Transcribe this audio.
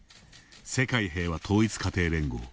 「世界平和統一家庭連合」